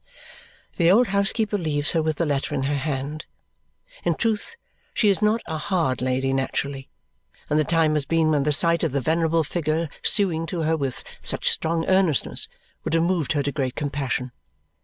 The old housekeeper leaves her with the letter in her hand. In truth she is not a hard lady naturally, and the time has been when the sight of the venerable figure suing to her with such strong earnestness would have moved her to great compassion.